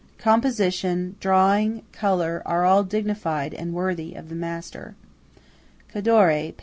Composition, drawing, colour, are all dignified and worthy of the master." Cadore, p.